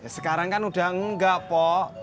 sekarang kan udah enggak po